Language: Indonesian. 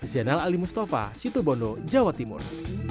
zainal ali mustafa situ bondo jawa timur